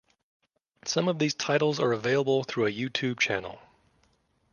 Some of these titles are available through a YouTube channel.